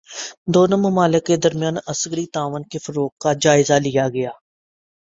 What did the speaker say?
دونوں ممالک کے درمیان عسکری تعاون کے فروغ کا جائزہ لیا گیا